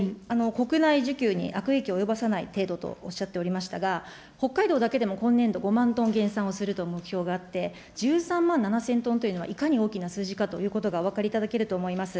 国内需給に悪影響を及ばさない程度とおっしゃっておりましたが、北海道だけでも今年度、５万トン減産をするという目標があって、１３万７０００トンというのはいかに大きな数字かということがお分かりいただけると思います。